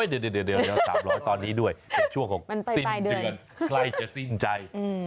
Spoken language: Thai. ยุ่งตัง๓๐๐โอ้ยเดี๋ยว๓๐๐ตอนนี้ด้วยในช่วงของสินเดือนใครจะสิ้นใจ